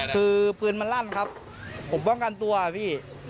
คือปืนมันลั่นครับผมป้องกันตัวพี่